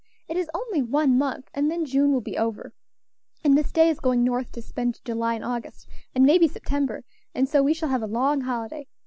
It is only one month, and then June will be over, and Miss Day is going North to spend July and August, and maybe September, and so we shall have a long holiday.